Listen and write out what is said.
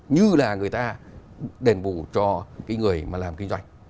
như là người ta đền bù cho người làm kinh doanh